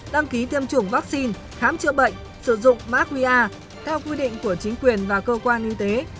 đăng ký tiêm chủng vaccine khám chữa bệnh sử dụng mã qr theo quy định của chính quyền và cơ quan y tế